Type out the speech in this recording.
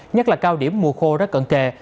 nhất là cao điểm mùa khô rất cận kề